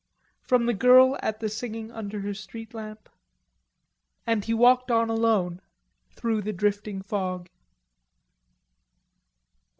"From the girl at the singing under her street lamp..." And he walked on alone through the drifting fog.